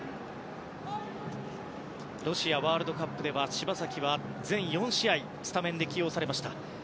ロシアワールドカップでは柴崎は全４試合スタメンで起用されました。